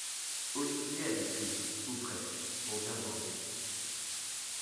Olivier avait tout, ou presque, pour bien grandir.